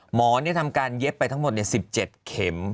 หมอทำการเย็บไปทั้งหมด๑๗เข็ม